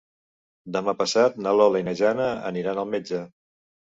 Demà passat na Lola i na Jana aniran al metge.